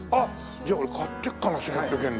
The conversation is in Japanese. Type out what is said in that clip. じゃあ俺買ってくかな１８００円で。